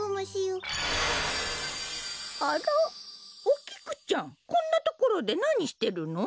お菊ちゃんこんなところでなにしてるの？